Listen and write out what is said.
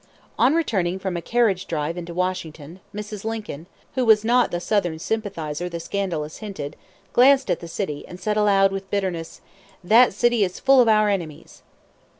On returning from a carriage drive into Washington, Mrs. Lincoln who was not the Southern sympathizer the scandalous hinted glanced at the city, and said aloud with bitterness: "That city is full of our enemies!"